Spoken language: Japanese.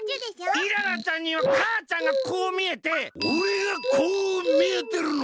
イララちゃんにはかあちゃんがこうみえておれがこうみえてるの？